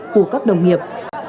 của các đồng nghiệp